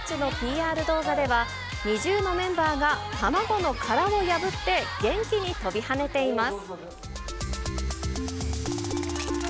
新しいたまごっちのＰＲ動画では、ＮｉｚｉＵのメンバーが卵の殻を破って、元気に跳びはねています。